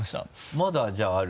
まだじゃあある？